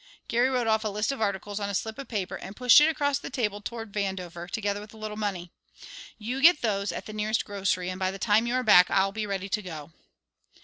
Geary wrote off a list of articles on a slip of paper and pushed it across the table toward Vandover, together with a little money. "You get those at the nearest grocery and by the time you are back I'll be ready to go."